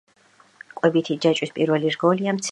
კვებთი ჯაჭვის პირველი რგოლია მცენარე.